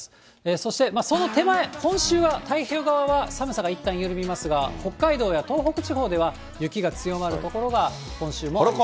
そしてその手前、今週は太平洋側は寒さがいったん緩みますが、北海道や東北地方では、雪が強まる所が、今週もありそうです。